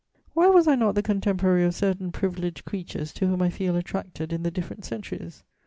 Why was I not the contemporary of certain privileged creatures to whom I feel attracted in the different centuries?